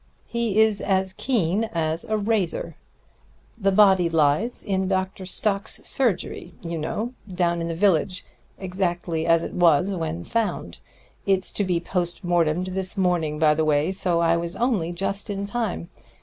He is as keen as a razor. The body lies in Dr. Stock's surgery, you know, down in the village, exactly as it was when found. It's to be post mortem'd this morning, by the way, so I was only just in time.